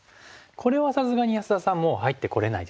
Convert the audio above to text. これはさすがに安田さんもう入ってこれないですよね？